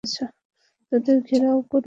তাদের ঘেরাও করুন!